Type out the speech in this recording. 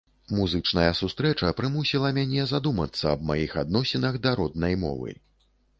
Музычная сустрэча прымусіла мяне задумацца аб маіх адносінах да роднай мовы.